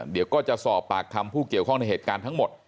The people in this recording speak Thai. เดี๋ยวก็จะสอบปากคำผู้เกี่ยวข้องในเหตุการณ์ทั้งหมด